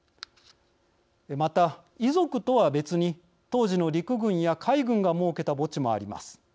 また、遺族とは別に当時の陸軍や海軍が設けた墓地もあります。